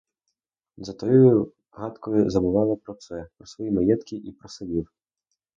За тою гадкою забувала про все, про свої маєтки і про синів.